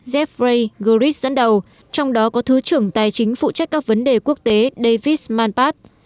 jeffrey grish dẫn đầu trong đó có thứ trưởng tài chính phụ trách các vấn đề quốc tế davis manpat